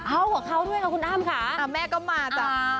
เอากว่าเขาด้วยค่ะคุณอ้ำค่ะแม่ก็มาจ้ะ